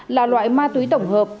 là loại ma túy tổng hợp